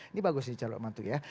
ini bagus sih calon mantu ya